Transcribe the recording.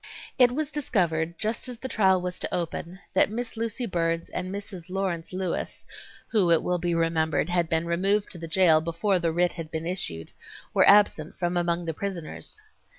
It was discovered just as the trial was to open that Miss Lucy Burns and Mrs. Lawrence Lewis, who it will be remembered had been removed to the jail before the writ had been issued, were absent from among the prisoners.